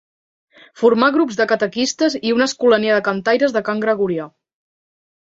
Formà grups de catequistes i una escolania de cantaires de cant gregorià.